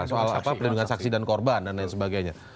soal perlindungan saksi dan korban dan lain sebagainya